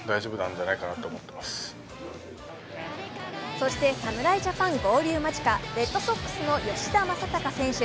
そして侍ジャパン合流間近、レッドソックスの吉田正尚選手。